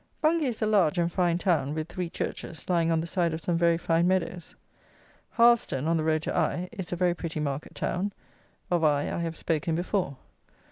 Bungay is a large and fine town, with three churches, lying on the side of some very fine meadows. Harleston, on the road to Eye, is a very pretty market town: of Eye, I have spoken before.